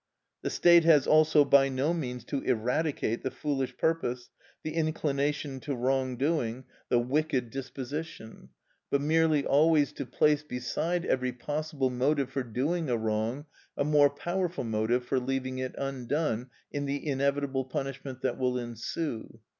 The state has also by no means to eradicate the foolish purpose, the inclination to wrong doing, the wicked disposition; but merely always to place beside every possible motive for doing a wrong a more powerful motive for leaving it undone in the inevitable punishment that will ensue.